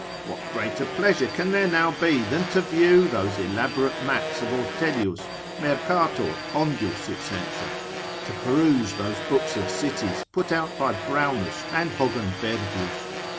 What greater pleasure can there now be, than to view those elaborate maps of Ortelius, Mercator, Hondius, &c.? To peruse those books of cities, put out by Braunus and Hogenbergius?